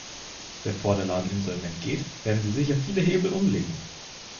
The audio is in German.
Bevor der Laden insolvent geht, werden sie sicher viele Hebel umlegen.